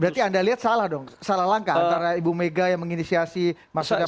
berarti anda lihat salah dong salah langkah antara ibu mega yang menginisiasi maksudnya